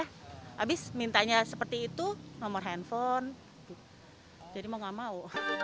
habis mintanya seperti itu nomor handphone jadi mau gak mau